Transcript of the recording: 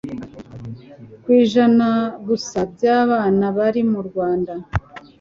kw'ijana gusa by'abana bari mu Rwanda